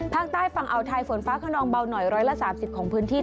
ภาคใต้ฝั่งอาวไทยฝนฟ้าขนองเบาหน่อยร้อยละสามสิบของพื้นที่